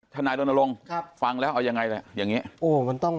ถ้านายดนตรงฟังแล้วเอายังไงแหละอย่างนี้